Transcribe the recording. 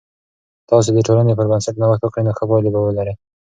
که تاسې د ټولنې پر بنسټ نوښت وکړئ، نو ښه پایلې به لرئ.